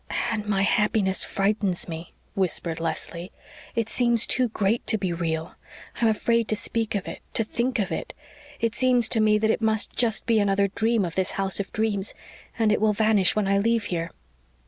"Anne, my happiness frightens me," whispered Leslie. "It seems too great to be real I'm afraid to speak of it to think of it. It seems to me that it must just be another dream of this house of dreams and it will vanish when I leave here."